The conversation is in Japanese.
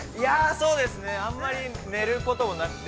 ◆そうですねあんまり、寝ることもなくて。